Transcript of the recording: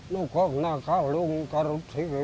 nukok nakalung karutik